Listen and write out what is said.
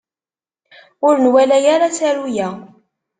Ur nwala ara asaru-a.